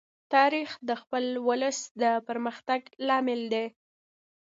تاریخ د خپل ولس د پرمختګ لامل دی.